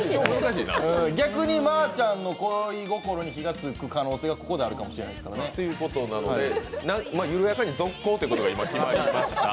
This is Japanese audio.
逆にまーちゃんの恋心に火がつく可能性がありますからね。ということなので、緩やかに続行ということが今、決まりました。